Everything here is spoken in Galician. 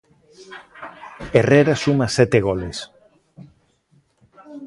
Herrera suma sete goles.